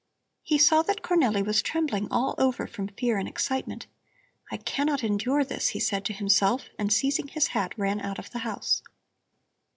He saw that Cornelli was trembling all over from fear and excitement. "I cannot endure this," he said to himself, and seizing his hat ran out of the house.